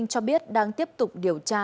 cho biết đang tiếp tục điều tra